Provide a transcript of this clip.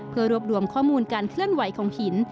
เพื่อรวบรวมข้อมูลการเคลื่อนไหวของหิน